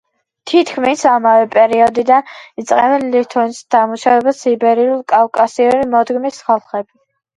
თითქმის ამავე პერიოდიდან იწყებენ ლითონის დამუშავებას იბერიულ-კავკასიური მოდგმის ხალხები.